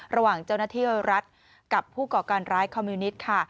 ระหว่างเจ้าหน้าที่รัฐกับผู้ก่อการร้ายคอมมิวนิตค่ะ